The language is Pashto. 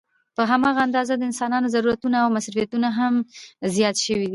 په هماغه اندازه د انسانانو ضرورتونه او مصروفيتونه هم زيات شوي دي